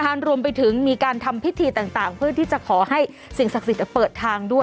รวมไปถึงมีการทำพิธีต่างเพื่อที่จะขอให้สิ่งศักดิ์สิทธิ์เปิดทางด้วย